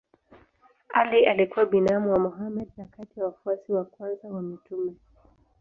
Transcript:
Ali alikuwa binamu wa Mohammed na kati ya wafuasi wa kwanza wa mtume.